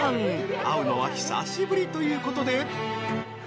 ［会うのは久しぶりということで］